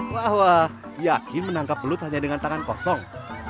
wah wah yakin menangkap belut hanya dengan tangan kosong